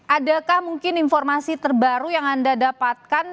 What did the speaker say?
adakah mungkin informasi terbaru yang anda dapatkan